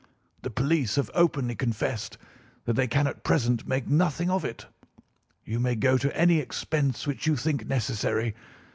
The police have openly confessed that they can at present make nothing of it. You may go to any expense which you think necessary.